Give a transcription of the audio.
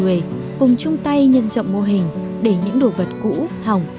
với tất cả mọi người cùng chung tay nhân dọng mô hình để những đồ vật cũ hỏng